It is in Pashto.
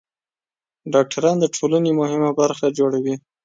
ډاکټران د ټولنې مهمه برخه جوړوي.